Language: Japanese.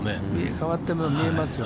変わってるの見えますよ。